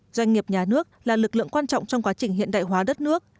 doanh nghiệp nhà nước là lực lượng quan trọng trong quá trình hiện đại hóa đất nước